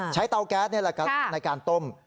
ใช้เตาแก๊สในการต้ม